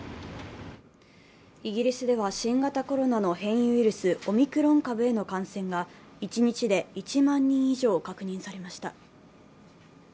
イギリスでは新型コロナの変異ウイルス、オミクロン株への感染が一日で１万人以上確認されました。